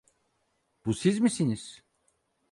Bu siz misiniz?